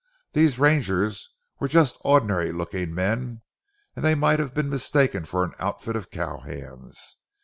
These rangers were just ordinary looking men, and might have been mistaken for an outfit of cow hands.